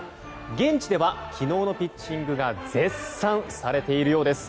現地では、昨日のピッチングが絶賛されているようです。